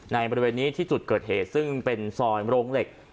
บริเวณนี้ที่จุดเกิดเหตุซึ่งเป็นซอยโรงเหล็ก